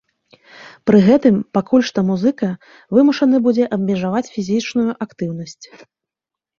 Пры гэтым пакуль што музыка вымушаны будзе абмежаваць фізічную актыўнасць.